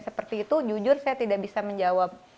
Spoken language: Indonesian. seperti itu jujur saya tidak bisa menjawab